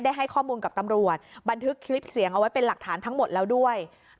ให้ข้อมูลกับตำรวจบันทึกคลิปเสียงเอาไว้เป็นหลักฐานทั้งหมดแล้วด้วย